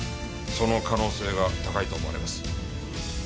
その可能性が高いと思われます。